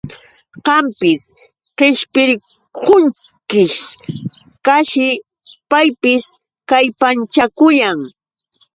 Qampis qishpirqunkish, chashi paypis kallpanchakuyan.